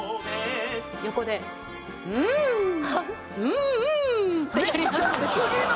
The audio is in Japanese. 横で「うーん！うんうん！」ってやります。